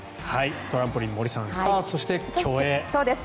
トランポリン森さんそして競泳ですね。